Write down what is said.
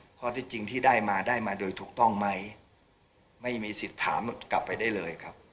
ข้อที่จริงที่ได้มาได้มาโดยถูกต้องไหมไม่มีสิทธิ์ถามกลับไปได้เลยครับ